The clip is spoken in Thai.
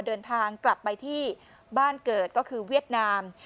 เดินทางกลับไปที่บ้านเกิดก็คือเวียดนาม